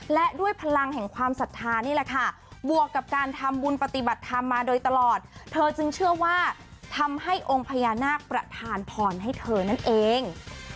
และด้วยพลังแห่งความศรัทธานี่แหละค่ะบวกกับการทำบุญปฏิบัติธรรมมาโดยตลอดเธอจึงเชื่อว่าทำให้องค์พญานาคประธานพรให้เธอนั่นเอง